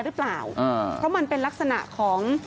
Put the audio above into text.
อยู่ดีมาตายแบบเปลือยคาห้องน้ำได้ยังไง